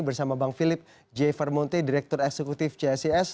bersama bang filip j vermonte direktur eksekutif csis